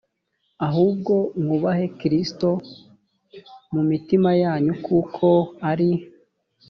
ahubwo mwubahe kristo mu mitima yanyu ko ari